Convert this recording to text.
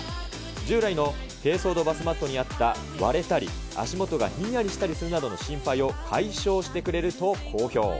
従来の珪藻土バスマットにあった、割れたり足元がひんやりしたりするなどの心配を解消してくれると好評。